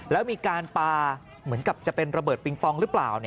แล้วมีการปลาเหมือนกับจะเป็นระเบิดปิงปองหรือเปล่า